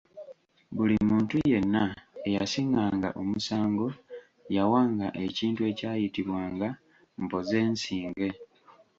"Buli muntu yenna eyasinganga omusango yawanga ekintu ekyayitibwanga, “mpozensinge”."